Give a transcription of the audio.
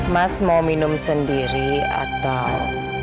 mas mau minum sendiri atau